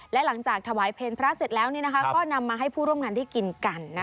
และหลังจากถวายเพลงพระเสร็จแล้วก็นำมาให้ผู้ร่วมงานได้กินกัน